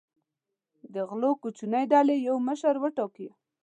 د غلو کوچنۍ ډلې یو مشر وټاکي.